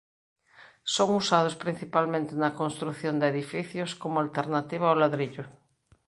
Son usados principalmente na construción de edificios como alternativa ao ladrillo.